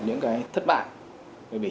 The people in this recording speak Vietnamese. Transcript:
những cái thất bại